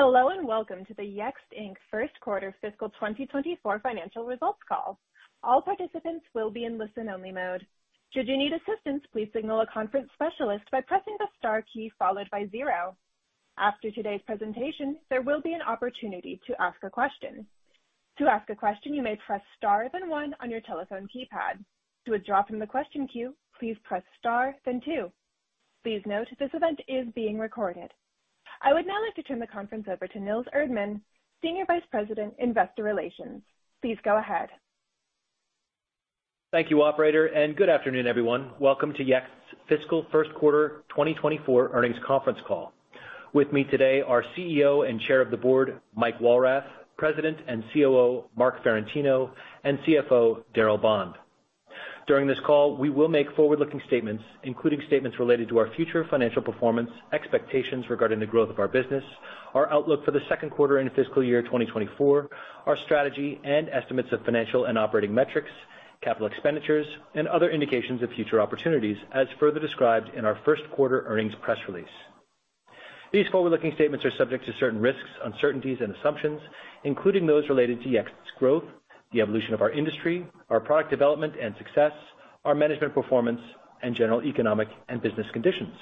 Hello, welcome to the Yext Inc. first quarter fiscal 2024 financial results call. All participants will be in listen-only mode. Should you need assistance, please signal a conference specialist by pressing the Star key followed by 0. After today's presentation, there will be an opportunity to ask a question. To ask a question, you may press Star then 1 on your telephone keypad. To withdraw from the question queue, please press Star then 2. Please note, this event is being recorded. I would now like to turn the conference over to Nils Erdmann, Senior Vice President, Investor Relations. Please go ahead. Thank you, operator. Good afternoon, everyone. Welcome to Yext's fiscal first quarter 2024 earnings conference call. With me today are CEO and Chair of the Board, Mike Walrath, President and COO, Marc Ferrentino, and CFO, Darryl Bond. During this call, we will make forward-looking statements, including statements related to our future financial performance, expectations regarding the growth of our business, our outlook for the second quarter and fiscal year 2024, our strategy and estimates of financial and operating metrics, CapEx, and other indications of future opportunities, as further described in our first quarter earnings press release. These forward-looking statements are subject to certain risks, uncertainties and assumptions, including those related to Yext's growth, the evolution of our industry, our product development and success, our management performance, and general economic and business conditions.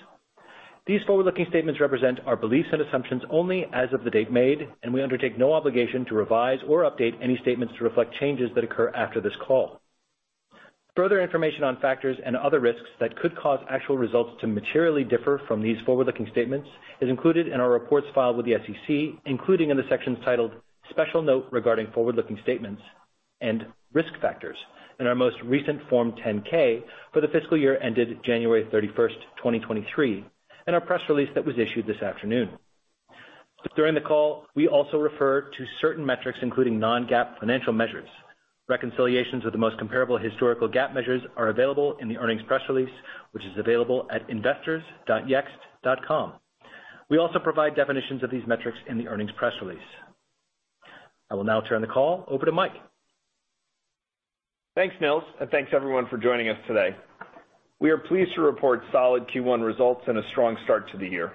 These forward-looking statements represent our beliefs and assumptions only as of the date made, and we undertake no obligation to revise or update any statements to reflect changes that occur after this call. Further information on factors and other risks that could cause actual results to materially differ from these forward-looking statements is included in our reports filed with the SEC, including in the sections titled Special Note regarding forward-looking statements and risk factors in our most recent Form 10-K for the fiscal year ended January 21st, 2023, and our press release that was issued this afternoon. During the call, we also refer to certain metrics, including non-GAAP financial measures. Reconciliations with the most comparable historical GAAP measures are available in the earnings press release, which is available at investors.yext.com. We also provide definitions of these metrics in the earnings press release. I will now turn the call over to Mike. Thanks, Nils, thanks everyone for joining us today. We are pleased to report solid Q1 results and a strong start to the year.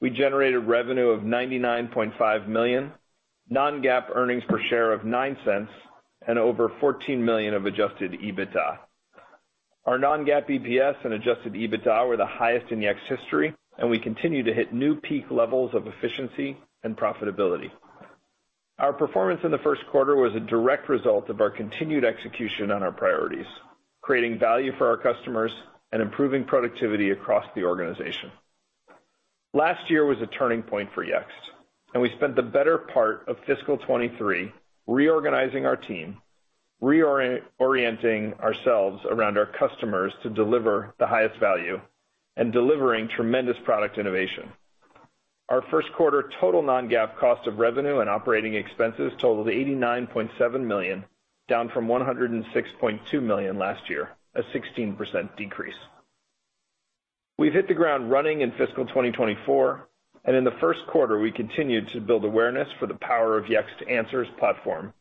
We generated revenue of $99.5 million, non-GAAP earnings per share of $0.09, and over $14 million of Adjusted EBITDA. Our non-GAAP EPS and Adjusted EBITDA were the highest in Yext's history, we continue to hit new peak levels of efficiency and profitability. Our performance in the first quarter was a direct result of our continued execution on our priorities, creating value for our customers and improving productivity across the organization. Last year was a turning point for Yext, we spent the better part of fiscal 23 reorganizing our team, orienting ourselves around our customers to deliver the highest value, and delivering tremendous product innovation. Our first quarter total non-GAAP cost of revenue and operating expenses totaled $89.7 million, down from $106.2 million last year, a 16% decrease. We've hit the ground running in fiscal 2024. In the first quarter, we continued to build awareness for the power of Yext Answers platform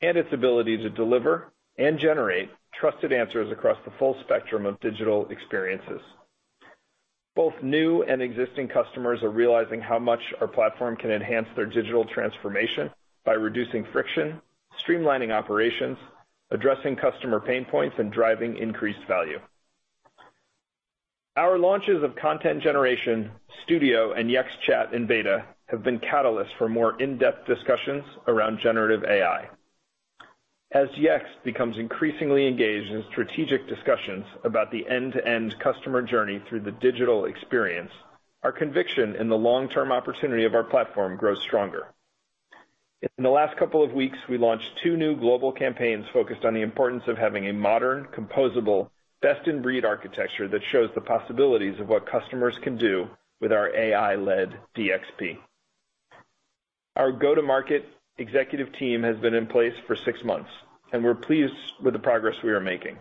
and its ability to deliver and generate trusted answers across the full spectrum of digital experiences. Both new and existing customers are realizing how much our platform can enhance their digital transformation by reducing friction, streamlining operations, addressing customer pain points, and driving increased value. Our launches of Content Generation, Studio, and Yext Chat in beta have been catalysts for more in-depth discussions around generative AI. As Yext becomes increasingly engaged in strategic discussions about the end-to-end customer journey through the digital experience, our conviction in the long-term opportunity of our platform grows stronger. In the last couple of weeks, we launched two new global campaigns focused on the importance of having a modern, composable, best-in-breed architecture that shows the possibilities of what customers can do with our AI-led DXP. Our go-to-market executive team has been in place for six months, and we're pleased with the progress we are making.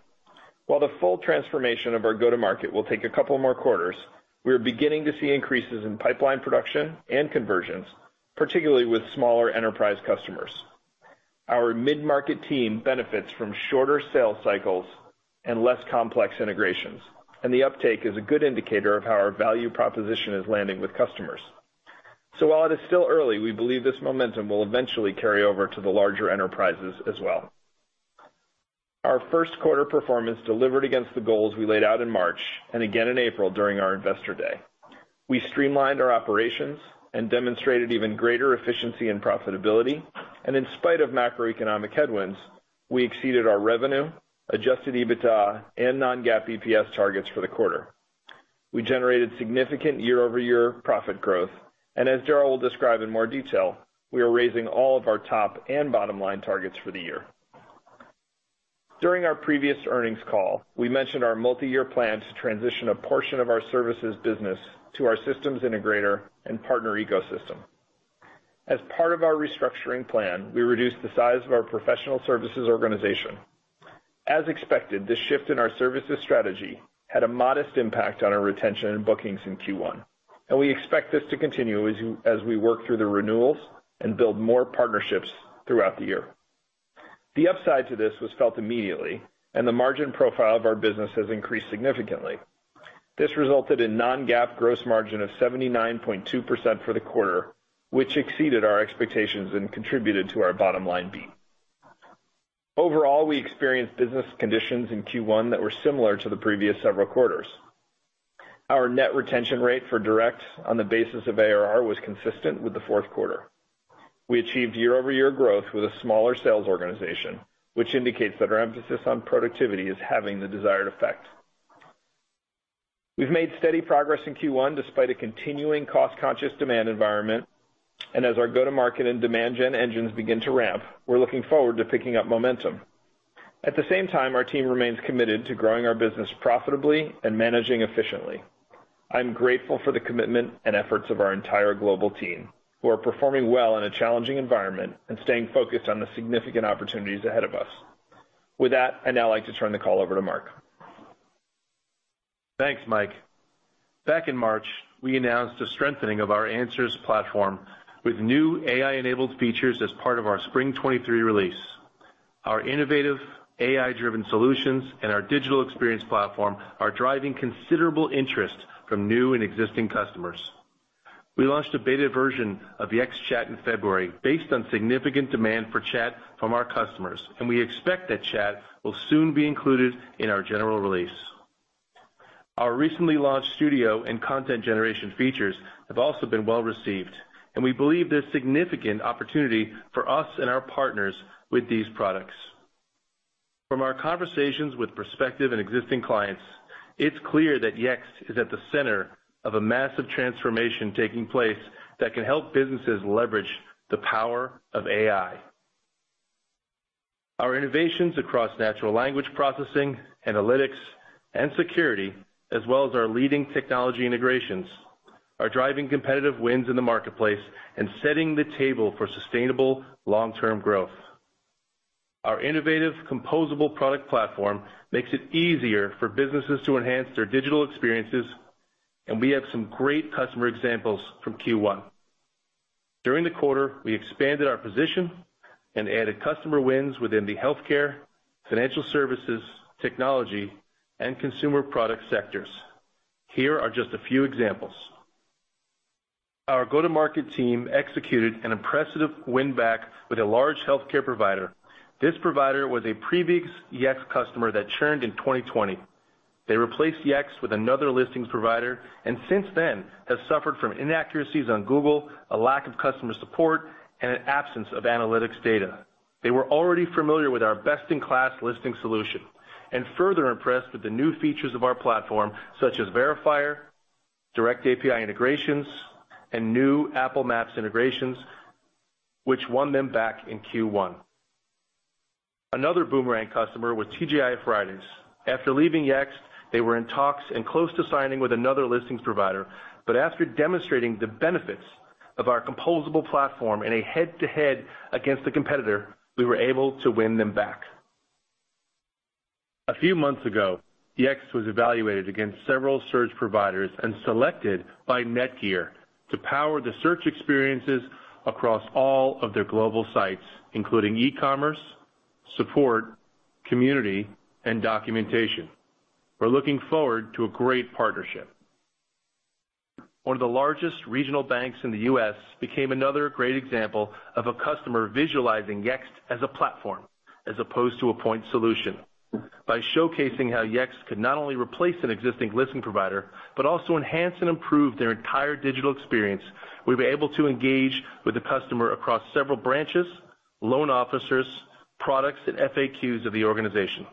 While the full transformation of our go-to-market will take a couple more quarters, we are beginning to see increases in pipeline production and conversions, particularly with smaller enterprise customers. Our mid-market team benefits from shorter sales cycles and less complex integrations, and the uptake is a good indicator of how our value proposition is landing with customers. While it is still early, we believe this momentum will eventually carry over to the larger enterprises as well. Our first quarter performance delivered against the goals we laid out in March and again in April during our Investor Day. We streamlined our operations and demonstrated even greater efficiency and profitability, and in spite of macroeconomic headwinds, we exceeded our revenue, Adjusted EBITDA and non-GAAP EPS targets for the quarter. We generated significant year-over-year profit growth, and as Darryl will describe in more detail, we are raising all of our top and bottom line targets for the year. During our previous earnings call, we mentioned our multiyear plan to transition a portion of our services business to our systems integrator and partner ecosystem. As part of our restructuring plan, we reduced the size of our professional services organization. As expected, this shift in our services strategy had a modest impact on our retention and bookings in Q1, and we expect this to continue as we work through the renewals and build more partnerships throughout the year. The upside to this was felt immediately, and the margin profile of our business has increased significantly. This resulted in non-GAAP gross margin of 79.2% for the quarter, which exceeded our expectations and contributed to our bottom-line beat. Overall, we experienced business conditions in Q1 that were similar to the previous several quarters. Our net retention rate for direct on the basis of ARR was consistent with the fourth quarter. We achieved year-over-year growth with a smaller sales organization, which indicates that our emphasis on productivity is having the desired effect. We've made steady progress in Q1 despite a continuing cost-conscious demand environment, and as our go-to-market and demand gen engines begin to ramp, we're looking forward to picking up momentum. At the same time, our team remains committed to growing our business profitably and managing efficiently. I'm grateful for the commitment and efforts of our entire global team, who are performing well in a challenging environment and staying focused on the significant opportunities ahead of us. With that, I'd now like to turn the call over to Marc. Thanks, Mike. Back in March, we announced a strengthening of our answers platform with new AI-enabled features as part of our Spring '23 release. Our innovative AI-driven solutions and our digital experience platform are driving considerable interest from new and existing customers. We launched a beta version of the Yext Chat in February based on significant demand for chat from our customers. We expect that chat will soon be included in our general release. Our recently launched Studio and Content Generation features have also been well-received. We believe there's significant opportunity for us and our partners with these products. From our conversations with prospective and existing clients, it's clear that Yext is at the center of a massive transformation taking place that can help businesses leverage the power of AI. Our innovations across natural language processing, analytics, and security, as well as our leading technology integrations, are driving competitive wins in the marketplace and setting the table for sustainable long-term growth. Our innovative composable product platform makes it easier for businesses to enhance their digital experiences, and we have some great customer examples from Q1. During the quarter, we expanded our position and added customer wins within the healthcare, financial services, technology, and consumer product sectors. Here are just a few examples. Our go-to-market team executed an impressive win-back with a large healthcare provider. This provider was a previous Yext customer that churned in 2020. They replaced Yext with another listings provider, and since then, have suffered from inaccuracies on Google, a lack of customer support, and an absence of analytics data. They were already familiar with our best-in-class listing solution, further impressed with the new features of our platform, such as Verifier, direct API integrations, and new Apple Maps integrations, which won them back in Q1. Another boomerang customer was TGI Fridays. After leaving Yext, they were in talks and close to signing with another listings provider. After demonstrating the benefits of our composable platform in a head-to-head against the competitor, we were able to win them back. A few months ago, Yext was evaluated against several search providers and selected by NETGEAR to power the search experiences across all of their global sites, including e-commerce, support, community, and documentation. We're looking forward to a great partnership. One of the largest regional banks in the U.S. became another great example of a customer visualizing Yext as a platform as opposed to a point solution. By showcasing how Yext could not only replace an existing listing provider, but also enhance and improve their entire digital experience, we were able to engage with the customer across several branches, loan officers, products, and FAQs of the organization.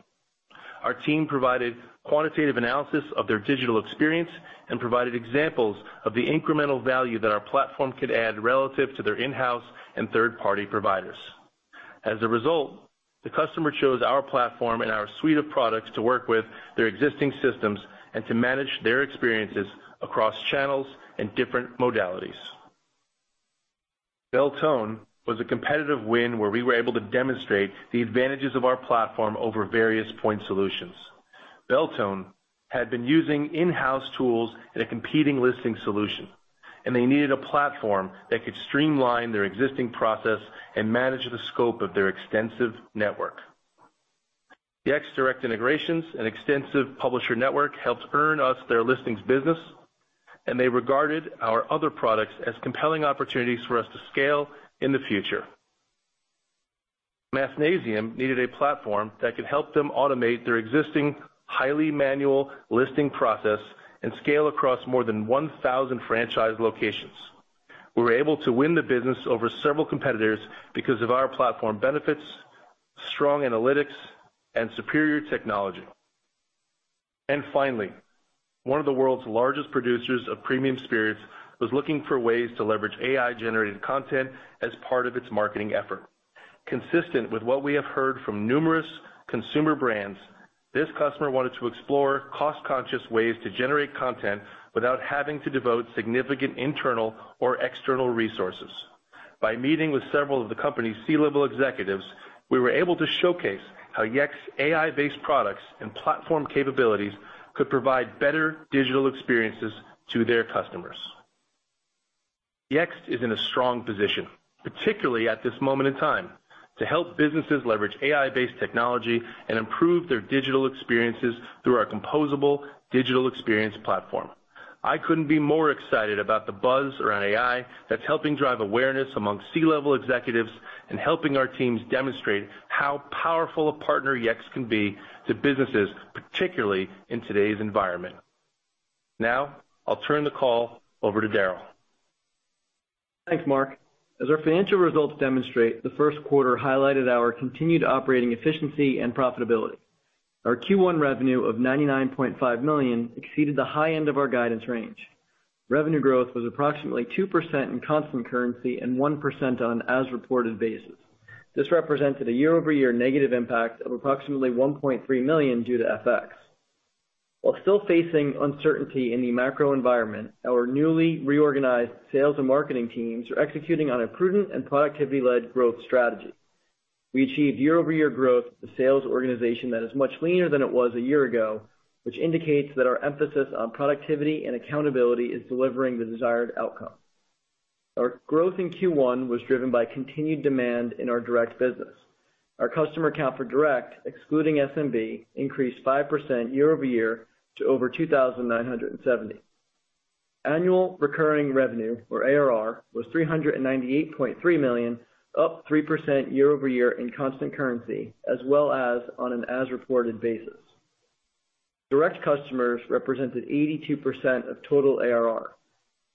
Our team provided quantitative analysis of their digital experience and provided examples of the incremental value that our platform could add relative to their in-house and third-party providers. The customer chose our platform and our suite of products to work with their existing systems and to manage their experiences across channels and different modalities. Beltone was a competitive win, where we were able to demonstrate the advantages of our platform over various point solutions. Beltone had been using in-house tools in a competing listing solution, and they needed a platform that could streamline their existing process and manage the scope of their extensive network. Yext direct integrations, and extensive publisher network helped earn us their listings business. They regarded our other products as compelling opportunities for us to scale in the future. Mathnasium needed a platform that could help them automate their existing, highly manual listing process and scale across more than 1,000 franchise locations. We were able to win the business over several competitors because of our platform benefits, strong analytics, and superior technology. Finally, one of the world's largest producers of premium spirits was looking for ways to leverage AI-generated content as part of its marketing effort. Consistent with what we have heard from numerous consumer brands, this customer wanted to explore cost-conscious ways to generate content without having to devote significant internal or external resources. By meeting with several of the company's C-level executives, we were able to showcase how Yext's AI-based products and platform capabilities could provide better digital experiences to their customers. Yext is in a strong position, particularly at this moment in time, to help businesses leverage AI-based technology and improve their digital experiences through our composable digital experience platform. I couldn't be more excited about the buzz around AI that's helping drive awareness among C-level executives and helping our teams demonstrate how powerful a partner Yext can be to businesses, particularly in today's environment. Now, I'll turn the call over to Darryl. Thanks, Marc. As our financial results demonstrate, the first quarter highlighted our continued operating efficiency and profitability. Our Q1 revenue of $99.5 million exceeded the high end of our guidance range. Revenue growth was approximately 2% in constant currency and 1% on as-reported basis. This represented a year-over-year negative impact of approximately $1.3 million due to FX. While still facing uncertainty in the macro environment, our newly reorganized sales and marketing teams are executing on a prudent and productivity-led growth strategy. We achieved year-over-year growth, a sales organization that is much leaner than it was a year ago, which indicates that our emphasis on productivity and accountability is delivering the desired outcome. Our growth in Q1 was driven by continued demand in our direct business. Our customer count for direct, excluding SMB, increased 5% year-over-year to over 2,970. Annual recurring revenue, or ARR, was $398.3 million, up 3% year-over-year in constant currency, as well as on an as-reported basis. Direct customers represented 82% of total ARR.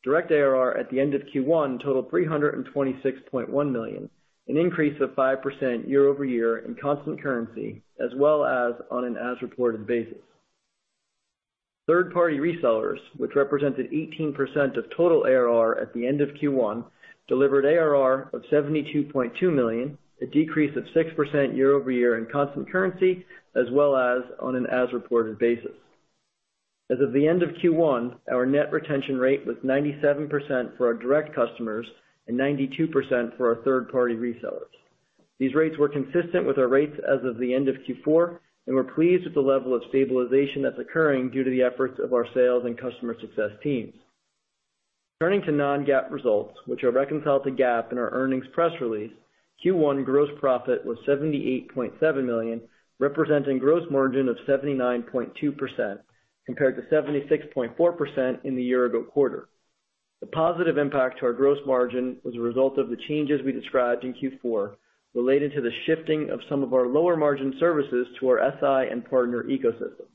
Direct ARR at the end of Q1 totaled $326.1 million, an increase of 5% year-over-year in constant currency, as well as on an as-reported basis. Third-party resellers, which represented 18% of total ARR at the end of Q1, delivered ARR of $72.2 million, a decrease of 6% year-over-year in constant currency, as well as on an as-reported basis. As of the end of Q1, our net retention rate was 97% for our direct customers and 92% for our third-party resellers. These rates were consistent with our rates as of the end of Q4, and we're pleased with the level of stabilization that's occurring due to the efforts of our sales and customer success teams. Turning to non-GAAP results, which are reconciled to GAAP in our earnings press release, Q1 gross profit was $78.7 million, representing gross margin of 79.2%, compared to 76.4% in the year ago quarter. The positive impact to our gross margin was a result of the changes we described in Q4, related to the shifting of some of our lower margin services to our SI and partner ecosystem.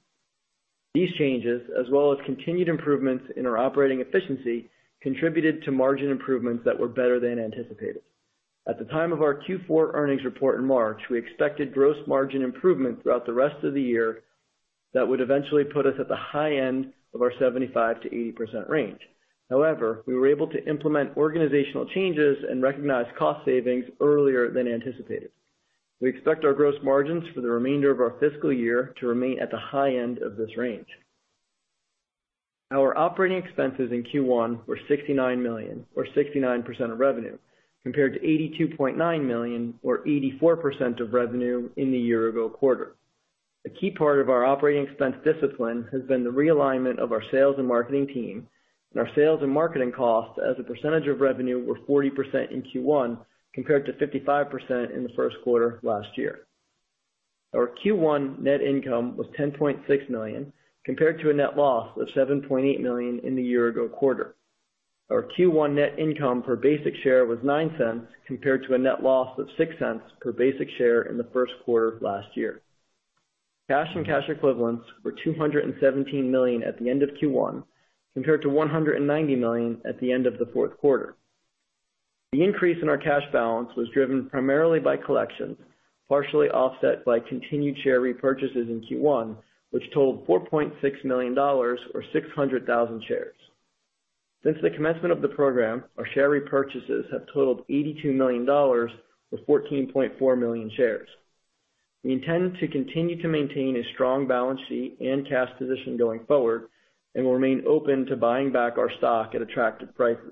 These changes, as well as continued improvements in our operating efficiency, contributed to margin improvements that were better than anticipated. At the time of our Q4 earnings report in March, we expected gross margin improvement throughout the rest of the year that would eventually put us at the high end of our 75%-80% range. However, we were able to implement organizational changes and recognize cost savings earlier than anticipated. We expect our gross margins for the remainder of our fiscal year to remain at the high end of this range. Our operating expenses in Q1 were $69 million, or 69% of revenue, compared to $82.9 million, or 84% of revenue in the year ago quarter. A key part of our operating expense discipline has been the realignment of our sales and marketing team, and our sales and marketing costs as a percentage of revenue were 40% in Q1, compared to 55% in the first quarter last year. Our Q1 net income was $10.6 million, compared to a net loss of $7.8 million in the year ago quarter. Our Q1 net income per basic share was $0.09, compared to a net loss of $0.06 per basic share in the first quarter of last year. Cash and cash equivalents were $217 million at the end of Q1, compared to $190 million at the end of the fourth quarter. The increase in our cash balance was driven primarily by collections, partially offset by continued share repurchases in Q1, which totaled $4.6 million or 600,000 shares. Since the commencement of the program, our share repurchases have totaled $82 million, or 14.4 million shares. We intend to continue to maintain a strong balance sheet and cash position going forward. We will remain open to buying back our stock at attractive prices.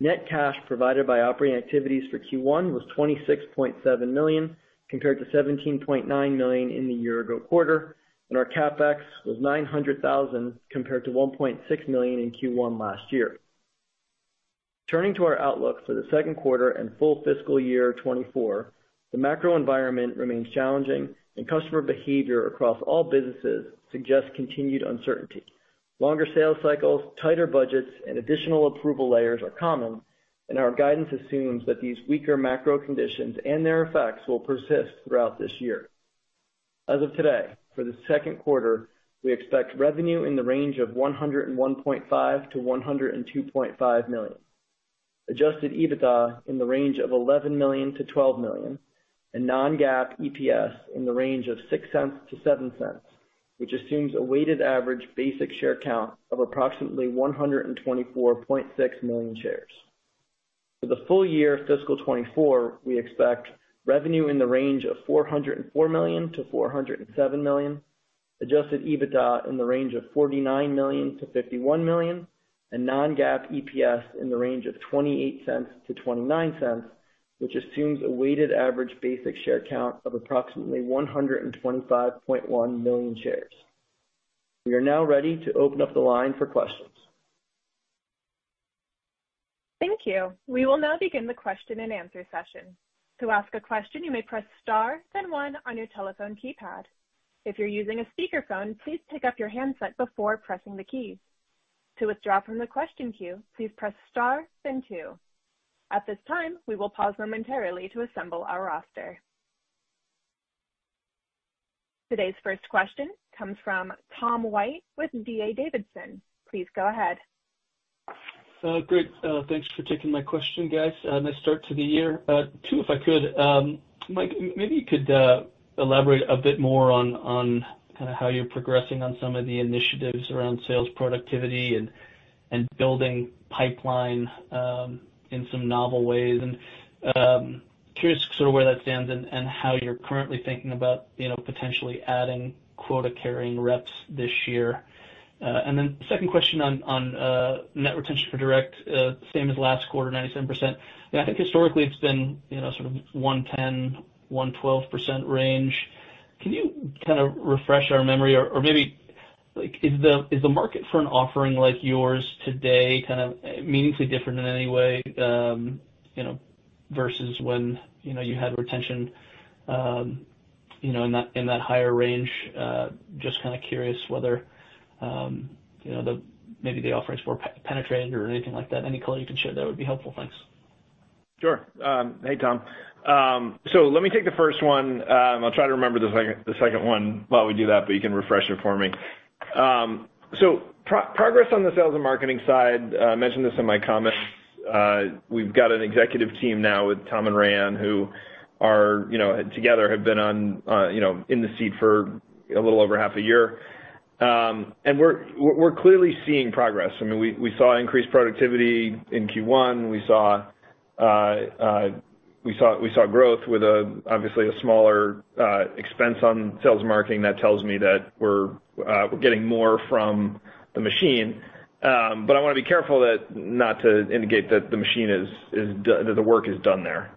Net cash provided by operating activities for Q1 was $26.7 million, compared to $17.9 million in the year-ago quarter. Our CapEx was $900,000, compared to $1.6 million in Q1 last year. Turning to our outlook for the second quarter and full fiscal year 2024, the macro environment remains challenging. Customer behavior across all businesses suggests continued uncertainty. Longer sales cycles, tighter budgets, and additional approval layers are common. Our guidance assumes that these weaker macro conditions and their effects will persist throughout this year. As of today, for the second quarter, we expect revenue in the range of $101.5 million-$102.5 million. Adjusted EBITDA in the range of $11 million-$12 million. non-GAAP EPS in the range of $0.06-$0.07, which assumes a weighted average basic share count of approximately 124.6 million shares. For the full year fiscal 2024, we expect revenue in the range of $404 million-$407 million, Adjusted EBITDA in the range of $49 million-$51 million. non-GAAP EPS in the range of $0.28-$0.29, which assumes a weighted average basic share count of approximately 125.1 million shares. We are now ready to open up the line for questions. Thank you. We will now begin the question and answer session. To ask a question, you may press star, then one on your telephone keypad. If you're using a speakerphone, please pick up your handset before pressing the keys. To withdraw from the question queue, please press star then two. At this time, we will pause momentarily to assemble our roster. Today's first question comes from Tom White with D.A. Davidson. Please go ahead. Great. Thanks for taking my question, guys. Nice start to the year. If I could, Mike, maybe you could elaborate a bit more on kinda how you're progressing on some of the initiatives around sales productivity and building pipeline in some novel ways. Curious sort of where that stands and how you're currently thinking about, you know, potentially adding quota-carrying reps this year. Then second question on net retention for direct, same as last quarter, 97%. I think historically it's been, you know, sort of 110%-112% range. Can you kind of refresh our memory or maybe, like, is the market for an offering like yours today kind of meaningfully different in any way, you know, versus when, you know, you had retention, you know, in that higher range? Just kind of curious whether, you know, maybe the offerings more penetrated or anything like that. Any color you can share, that would be helpful. Thanks. Sure. Hey, Tom. Let me take the first one, I'll try to remember the second one while we do that, but you can refresh it for me. Progress on the sales and marketing side, I mentioned this in my comments, we've got an executive team now with Tom and Ryan, who are, you know, together, have been on, you know, in the seat for a little over half a year. We're clearly seeing progress. I mean, we saw increased productivity in Q1. We saw growth with a, obviously a smaller expense on sales marketing. That tells me that we're getting more from the machine. I wanna be careful that not to indicate that the machine is done, that the work is done there.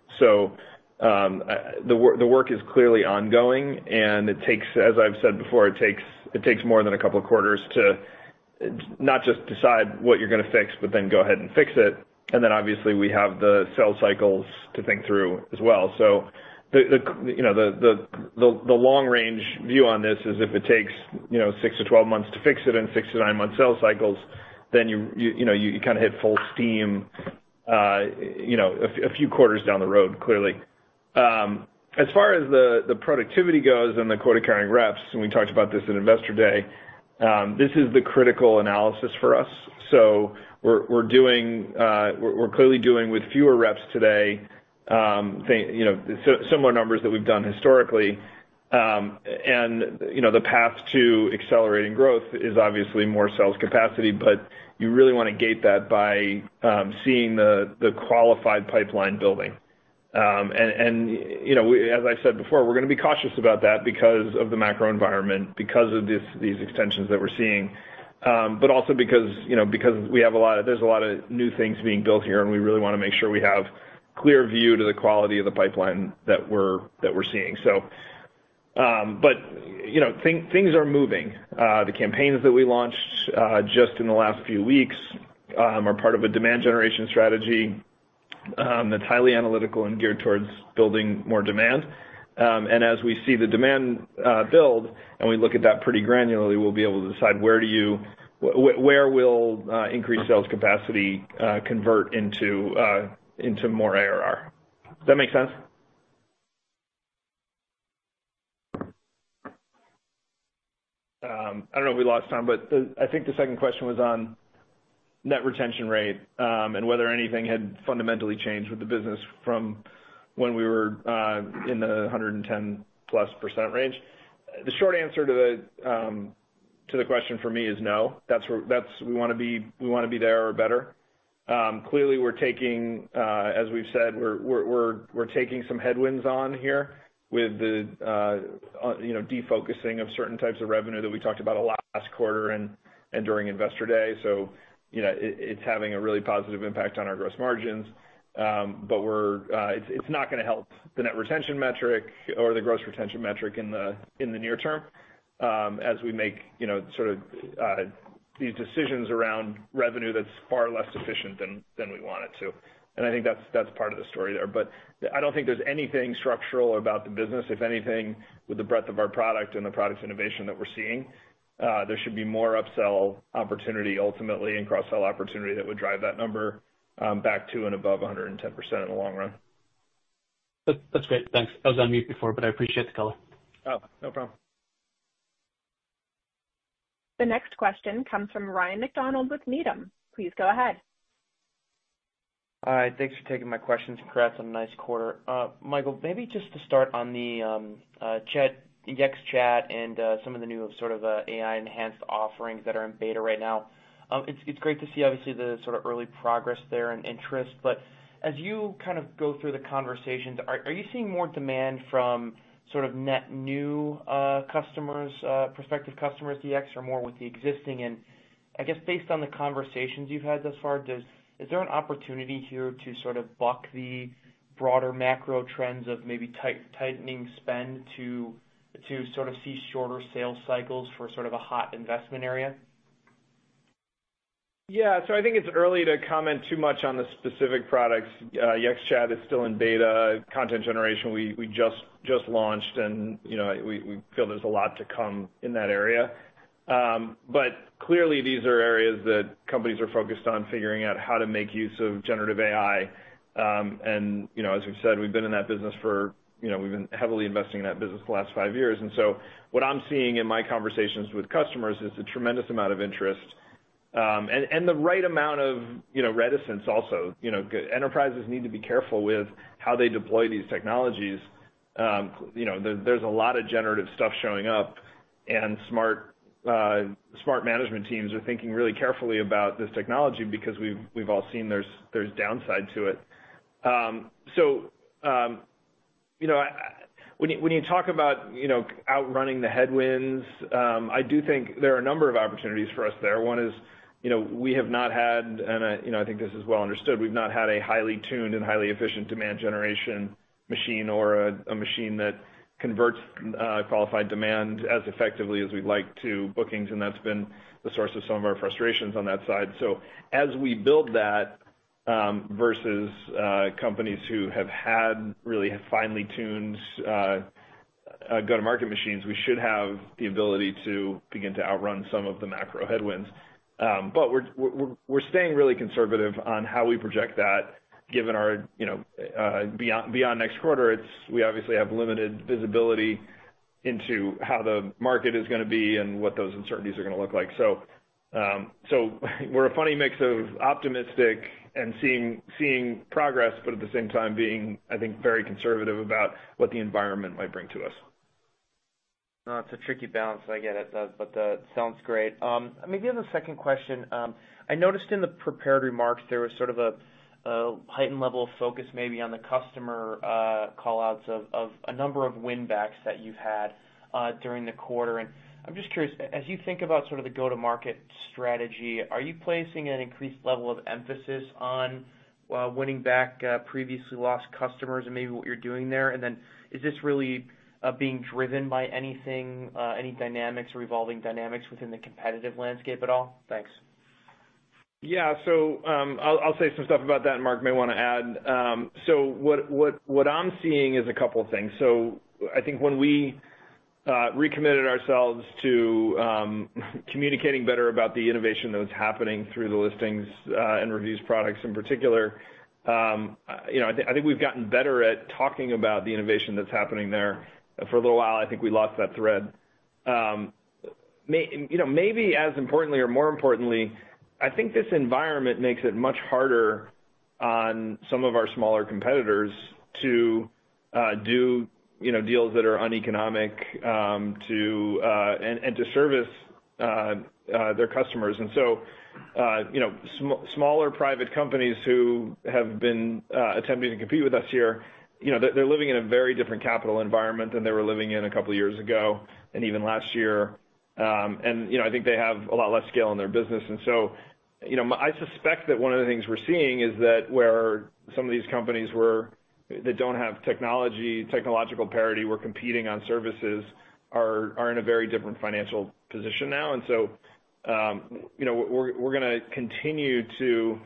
The work is clearly ongoing, and it takes, as I've said before, it takes more than a couple of quarters to not just decide what you're gonna fix, but then go ahead and fix it. Obviously, we have the sales cycles to think through as well. The, you know, the long range view on this is if it takes, you know, six-12 months to fix it and six-nine month sales cycles, then you know, you kind of hit full steam, you know, a few quarters down the road, clearly. As far as the productivity goes and the quota-carrying reps, and we talked about this in Investor Day, this is the critical analysis for us. We're clearly doing with fewer reps today than, you know, similar numbers that we've done historically. You know, the path to accelerating growth is obviously more sales capacity, but you really want to gate that by seeing the qualified pipeline building. You know, as I said before, we're gonna be cautious about that because of the macro environment, because of these extensions that we're seeing, but also because, you know, because there's a lot of new things being built here, and we really wanna make sure we have clear view to the quality of the pipeline that we're seeing. You know, things are moving. The campaigns that we launched just in the last few weeks are part of a demand generation strategy that's highly analytical and geared towards building more demand. As we see the demand build, and we look at that pretty granularly, we'll be able to decide where will increased sales capacity convert into more ARR? Does that make sense? I don't know if we lost Tom, but I think the second question was on net retention rate, and whether anything had fundamentally changed with the business from when we were in the 110%+ range. The short answer to the question for me is no. That's where that's we want to be, we want to be there or better. Clearly, we're taking, as we've said, we're taking some headwinds on here with the, you know, defocusing of certain types of revenue that we talked about a last quarter and during Investor Day. You know, it's having a really positive impact on our gross margins. It's not gonna help the net retention metric or the gross retention metric in the near term, as we make, you know, sort of, these decisions around revenue that's far less efficient than we want it to. I think that's part of the story there. I don't think there's anything structural about the business. If anything, with the breadth of our product and the product innovation that we're seeing, there should be more upsell opportunity ultimately, and cross-sell opportunity that would drive that number, back to and above 110% in the long run. That's great. Thanks. I was on mute before, but I appreciate the color. Oh, no problem. The next question comes from Ryan MacDonald with Needham. Please go ahead. Hi, thanks for taking my questions, congrats on a nice quarter. Michael, maybe just to start on the chat, Yext Chat, and some of the new sort of AI-enhanced offerings that are in beta right now. It's great to see obviously the sort of early progress there and interest, but as you kind of go through the conversations, are you seeing more demand from sort of net new customers, prospective customers to Yext, or more with the existing? I guess based on the conversations you've had thus far, is there an opportunity here to sort of buck the broader macro trends of maybe tightening spend to sort of see shorter sales cycles for sort of a hot investment area? I think it's early to comment too much on the specific products. Yext Chat is still in beta. Content Generation we just launched, and, you know, we feel there's a lot to come in that area. Clearly, these are areas that companies are focused on figuring out how to make use of generative AI. You know, as we've said, we've been in that business for, you know, we've been heavily investing in that business the last five years. What I'm seeing in my conversations with customers is a tremendous amount of interest, and the right amount of, you know, reticence also. You know, enterprises need to be careful with how they deploy these technologies. You know, there's a lot of generative stuff showing up, and smart management teams are thinking really carefully about this technology because we've all seen there's downside to it. You know, when you talk about, you know, outrunning the headwinds, I do think there are a number of opportunities for us there. One is, you know, we have not had, and I think this is well understood, we've not had a highly tuned and highly efficient demand generation machine or a machine that converts qualified demand as effectively as we'd like to bookings, and that's been the source of some of our frustrations on that side. As we build that, versus companies who have had really finely tuned go-to-market machines, we should have the ability to begin to outrun some of the macro headwinds. We're staying really conservative on how we project that, given our, you know, beyond next quarter, we obviously have limited visibility into how the market is gonna be and what those uncertainties are gonna look like. We're a funny mix of optimistic and seeing progress, but at the same time, being, I think, very conservative about what the environment might bring to us. No, it's a tricky balance. I get it, but sounds great. Maybe on the second question, I noticed in the prepared remarks there was sort of a heightened level of focus maybe on the customer, call-outs of a number of win backs that you've had during the quarter. I'm just curious, as you think about sort of the go-to-market strategy, are you placing an increased level of emphasis on winning back previously lost customers and maybe what you're doing there? Then is this really being driven by anything, any dynamics or evolving dynamics within the competitive landscape at all? Thanks. Yeah. I'll say some stuff about that, and Marc may wanna add. What I'm seeing is a couple things. I think when we recommitted ourselves to communicating better about the innovation that was happening through the listings and reviews products in particular, you know, I think we've gotten better at talking about the innovation that's happening there. For a little while, I think we lost that thread. You know, maybe as importantly or more importantly, I think this environment makes it much harder on some of our smaller competitors to do, you know, deals that are uneconomic, to and to service their customers. You know, smaller private companies who have been attempting to compete with us here, you know, they're living in a very different capital environment than they were living in a couple years ago and even last year. You know, I think they have a lot less scale in their business. You know, I suspect that one of the things we're seeing is that where some of these companies were. They don't have technology, technological parity, were competing on services, are in a very different financial position now. You know, we're gonna continue to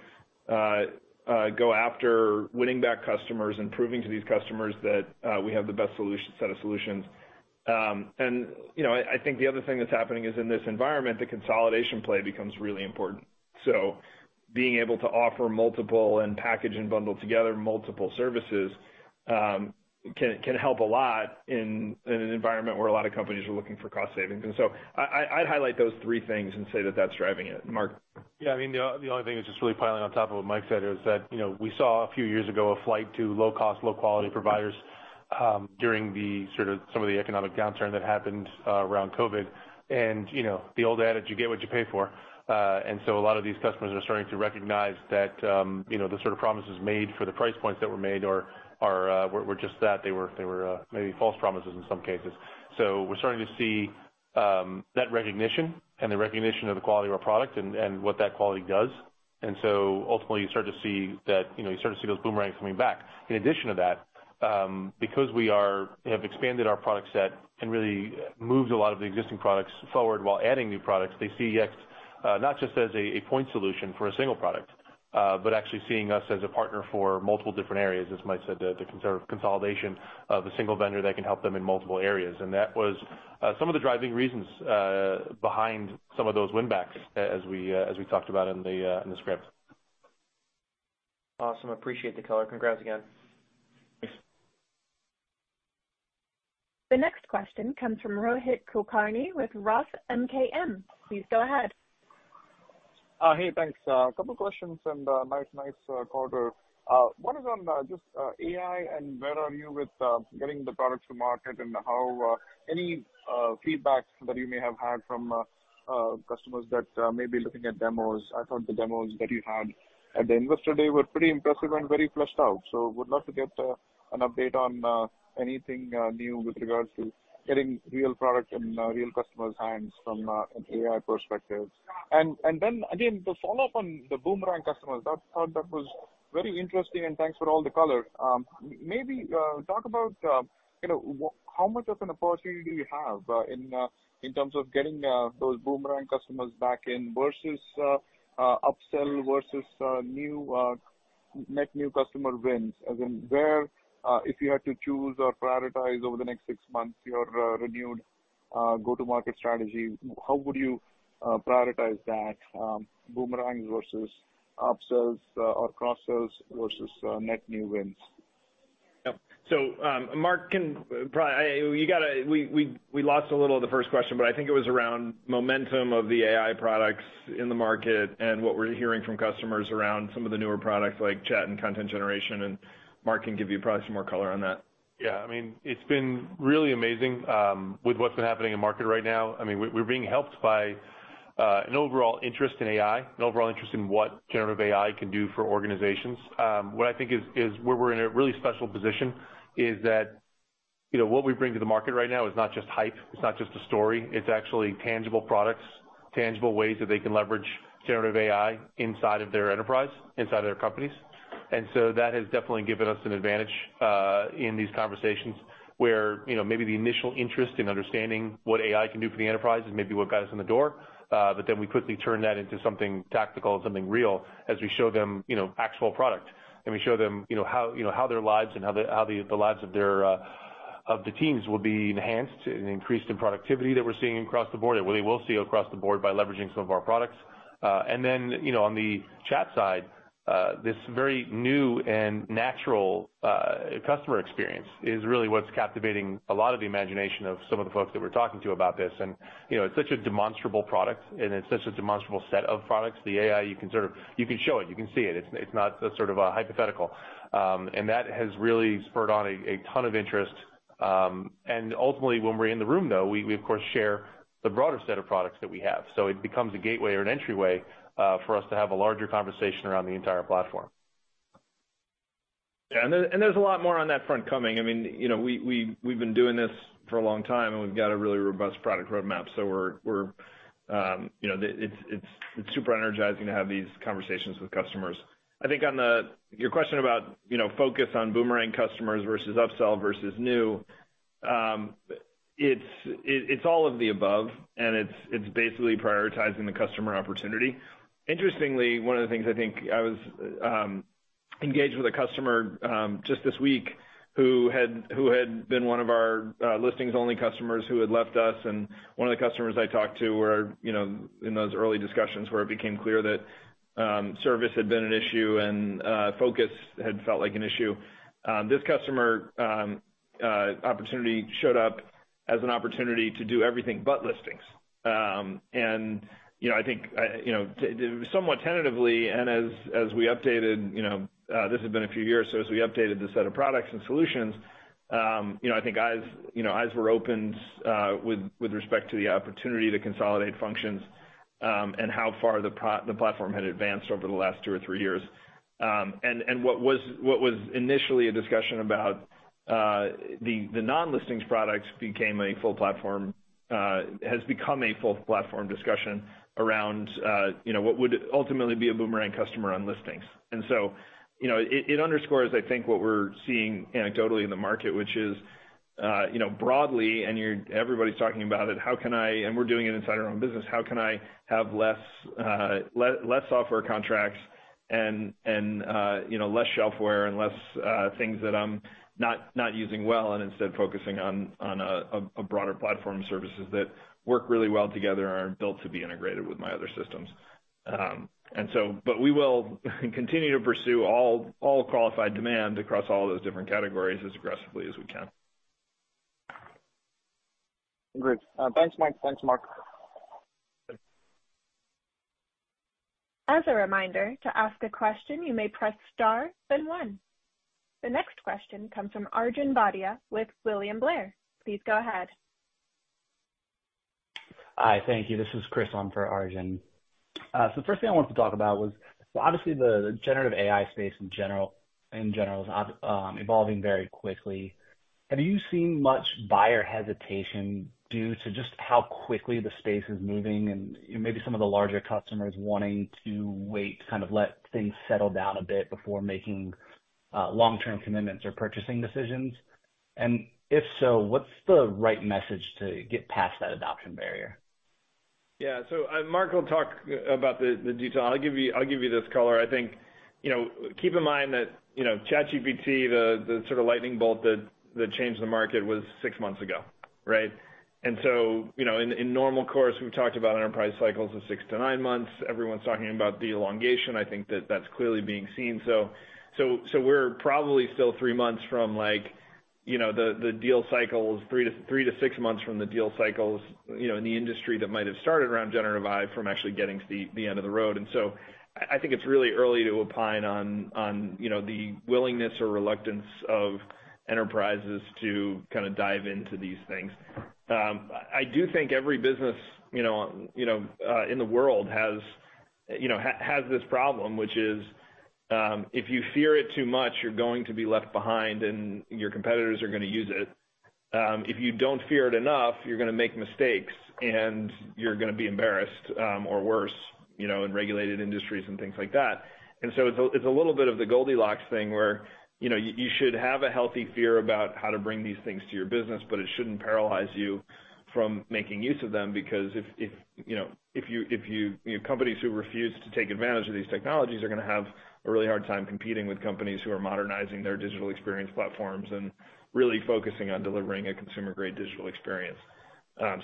go after winning back customers and proving to these customers that we have the best solution, set of solutions. You know, I think the other thing that's happening is, in this environment, the consolidation play becomes really important. Being able to offer multiple and package and bundle together multiple services, can help a lot in an environment where a lot of companies are looking for cost savings. I'd highlight those three things and say that that's driving it. Marc? Yeah, I mean, the only thing that's just really piling on top of what Mike said is that, you know, we saw a few years ago, a flight to low cost, low quality providers, during the sort of some of the economic downturn that happened around COVID. You know, the old adage, you get what you pay for. A lot of these customers are starting to recognize that, you know, the sort of promises made for the price points that were made are just that. They were maybe false promises in some cases. We're starting to see that recognition and the recognition of the quality of our product and what that quality does. Ultimately, you start to see that, you know, you start to see those boomerangs coming back. In addition to that, because we have expanded our product set and really moved a lot of the existing products forward while adding new products, they see Yext, not just as a point solution for a single product, but actually seeing us as a partner for multiple different areas, as Mike said, the consolidation of a single vendor that can help them in multiple areas. That was some of the driving reasons behind some of those win backs as we talked about in the script. Awesome. Appreciate the color. Congrats again. Thanks. The next question comes from Rohit Kulkarni with Roth MKM. Please go ahead. Hey, thanks. Couple questions and nice quarter. One is on just AI, and where are you with getting the product to market, and how any feedback that you may have had from customers that may be looking at demos? I thought the demos that you had at the investor day were pretty impressive and very fleshed out. Would love to get an update on anything new with regards to getting real product in real customers' hands from an AI perspective. Then again, to follow up on the boomerang customers, I thought that was very interesting, and thanks for all the color. Maybe, you know, how much of an opportunity do you have in terms of getting those boomerang customers back in, versus upsell, versus net new customer wins? As in where, if you had to choose or prioritize over the next six months, your renewed go-to-market strategy, how would you prioritize that boomerangs versus upsells or cross sells versus net new wins? Yep. Marc can we lost a little of the first question, but I think it was around momentum of the AI products in the market and what we're hearing from customers around some of the newer products like Chat and Content Generation. Marc can give you probably some more color on that. Yeah, I mean, it's been really amazing, with what's been happening in market right now. I mean, we're being helped by an overall interest in AI, an overall interest in what generative AI can do for organizations. What I think is where we're in a really special position, is that, you know, what we bring to the market right now is not just hype, it's not just a story, it's actually tangible products, tangible ways that they can leverage generative AI inside of their enterprise, inside of their companies. That has definitely given us an advantage in these conversations where, you know, maybe the initial interest in understanding what AI can do for the enterprise is maybe what got us in the door. We quickly turn that into something tactical and something real as we show them, you know, actual product, and we show them, you know, how, you know, how their lives and how the lives of their teams will be enhanced and increased in productivity that we're seeing across the board, and what they will see across the board by leveraging some of our products. Then, you know, on the chat side, this very new and natural customer experience is really what's captivating a lot of the imagination of some of the folks that we're talking to about this. You know, it's such a demonstrable product, and it's such a demonstrable set of products. The AI, you can sort of, you can show it, you can see it. It's not sort of a hypothetical. That has really spurred on a ton of interest. Ultimately, when we're in the room, though, we of course, share the broader set of products that we have. It becomes a gateway or an entryway, for us to have a larger conversation around the entire platform. Yeah, and there's a lot more on that front coming. I mean, you know, we've been doing this for a long time, and we've got a really robust product roadmap. We're, you know, it's super energizing to have these conversations with customers. I think on your question about, you know, focus on boomerang customers versus upsell versus new, it's all of the above, and it's basically prioritizing the customer opportunity. Interestingly, one of the things I think I was engaged with a customer just this week, who had been one of our listings-only customers who had left us, and one of the customers I talked to were, you know, in those early discussions where it became clear that service had been an issue and focus had felt like an issue. This customer opportunity showed up as an opportunity to do everything but listings. You know, I think, I you know, somewhat tentatively, and as we updated, you know, this has been a few years, so as we updated the set of products and solutions, you know, I think eyes, you know, eyes were opened with respect to the opportunity to consolidate functions, and how far the platform had advanced over the last two or three years. What was initially a discussion about the non-listings products became a full platform, has become a full platform discussion around, you know, what would ultimately be a boomerang customer on listings. You know, it underscores, I think, what we're seeing anecdotally in the market, which is, you know, broadly, and everybody's talking about it: How can I... We're doing it inside our own business, how can I have less software contracts and you know, less shelfware and less things that I'm not using well, and instead focusing on a broader platform services that work really well together and are built to be integrated with my other systems? We will continue to pursue all qualified demand across all those different categories as aggressively as we can. Great. Thanks, Mike. Thanks, Marc. As a reminder, to ask a question, you may press star then one. The next question comes from Arjun Bhatia with William Blair. Please go ahead. Hi, thank you. This is Chris on for Arjun. The first thing I wanted to talk about was, obviously, the generative AI space in general, is evolving very quickly. Have you seen much buyer hesitation due to just how quickly the space is moving and, you know, maybe some of the larger customers wanting to wait, kind of let things settle down a bit before making long-term commitments or purchasing decisions? If so, what's the right message to get past that adoption barrier? Marc will talk about the detail. I'll give you this color. I think, you know, keep in mind that, you know, ChatGPT, the sort of lightning bolt that changed the market was six months ago, right? In normal course, we've talked about enterprise cycles of six-nine months. Everyone's talking about the elongation. I think that that's clearly being seen. we're probably still three months from, you know, the deal cycle is three-six months from the deal cycles, you know, in the industry that might have started around generative AI from actually getting to the end of the road. I think it's really early to opine on, you know, the willingness or reluctance of enterprises to kind of dive into these things. I do think every business, you know, in the world has, you know, has this problem, which is, if you fear it too much, you're going to be left behind, and your competitors are gonna use it. If you don't fear it enough, you're gonna make mistakes, and you're gonna be embarrassed, or worse, you know, in regulated industries and things like that. It's a little bit of the Goldilocks thing, where, you know, you should have a healthy fear about how to bring these things to your business, but it shouldn't paralyze you from making use of them. If, you know, if you know, companies who refuse to take advantage of these technologies are gonna have a really hard time competing with companies who are modernizing their digital experience platforms and really focusing on delivering a consumer-grade digital experience.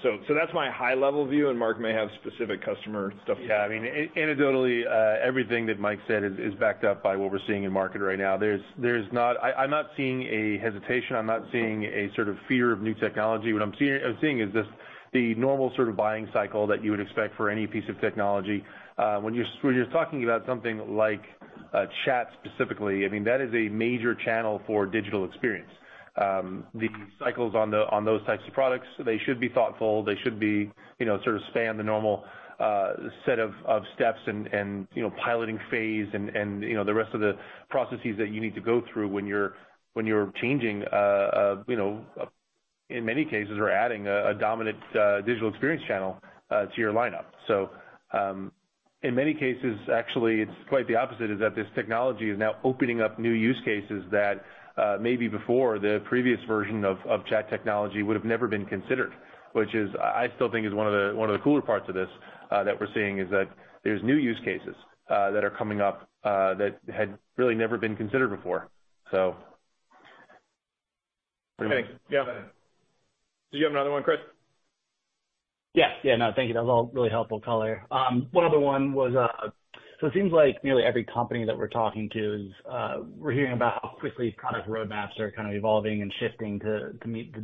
So that's my high-level view. Marc may have specific customer stuff. Yeah, I mean, anecdotally, everything that Mike said is backed up by what we're seeing in market right now. There's not. I'm not seeing a hesitation. I'm not seeing a sort of fear of new technology. What I'm seeing is this, the normal sort of buying cycle that you would expect for any piece of technology. When you're talking about something like chat specifically, I mean, that is a major channel for digital experience. The cycles on those types of products, they should be thoughtful, they should be, you know, sort of span the normal, set of steps and, you know, piloting phase and, you know, the rest of the processes that you need to go through when you're, when you're changing a, you know, in many cases, we're adding a dominant, digital experience channel to your lineup. In many cases, actually, it's quite the opposite, is that this technology is now opening up new use cases that maybe before the previous version of chat technology would have never been considered, which is, I still think is one of the cooler parts of this that we're seeing, is that there's new use cases that are coming up that had really never been considered before. Yeah. Did you have another one, Chris? Yeah. Yeah, no, thank you. That was all really helpful color. One other one was, it seems like nearly every company that we're talking to is, we're hearing about how quickly product roadmaps are kind of evolving and shifting to meet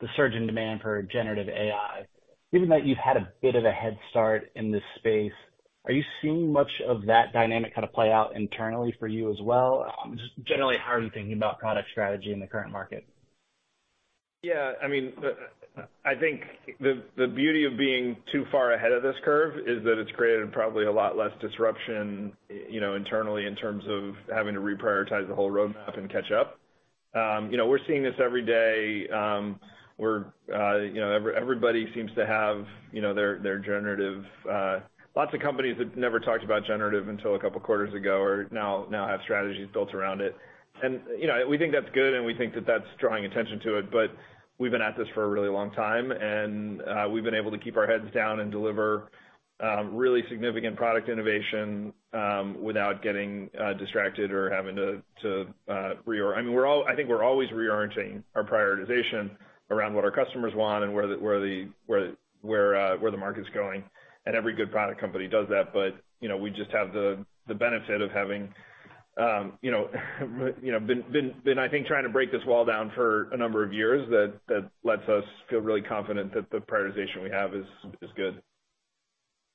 the surge in demand for generative AI. Given that you've had a bit of a head start in this space, are you seeing much of that dynamic kind of play out internally for you as well? Just generally, how are you thinking about product strategy in the current market? Yeah, I mean, I think the beauty of being too far ahead of this curve is that it's created probably a lot less disruption, you know, internally, in terms of having to reprioritize the whole roadmap and catch up. You know, we're seeing this every day. We're, you know, everybody seems to have, you know, their generative... Lots of companies that never talked about generative until a couple quarters ago are now have strategies built around it. You know, we think that's good, and we think that that's drawing attention to it, but we've been at this for a really long time, and we've been able to keep our heads down and deliver really significant product innovation without getting distracted. I mean, I think we're always reorienting our prioritization around what our customers want and where the market's going, and every good product company does that. You know, we just have the benefit of having, you know, been, I think, trying to break this wall down for a number of years. That lets us feel really confident that the prioritization we have is good.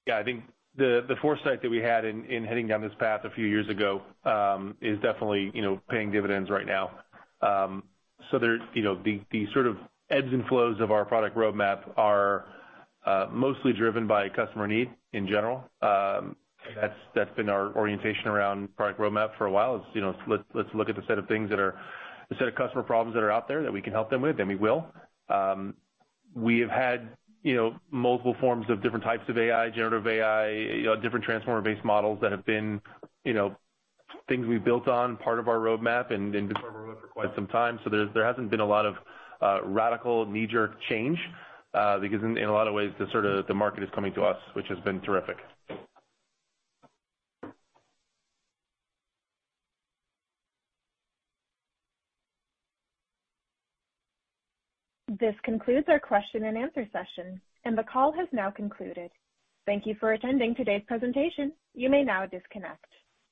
Yeah, I think the foresight that we had in heading down this path a few years ago, is definitely, you know, paying dividends right now. There, you know, the sort of ebbs and flows of our product roadmap are mostly driven by customer need in general. That's been our orientation around product roadmap for a while. It's, you know, let's look at the set of customer problems that are out there that we can help them with, and we will. We have had, you know, multiple forms of different types of AI, generative AI, you know, different transformer-based models that have been, you know, things we've built on, part of our roadmap and discovered with for quite some time. There hasn't been a lot of radical, knee-jerk change, because in a lot of ways, the sort of, the market is coming to us, which has been terrific. This concludes our question and answer session, and the call has now concluded. Thank you for attending today's presentation. You may now disconnect.